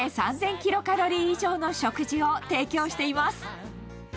キロカロリー以上の食事を提供しています。